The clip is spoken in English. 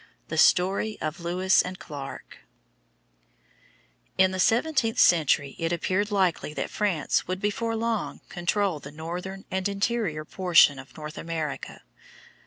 THE STORY OF LEWIS AND CLARK In the seventeenth century it appeared likely that France would before long control the northern and interior portion of North America.